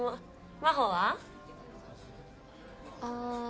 真帆は？あっ。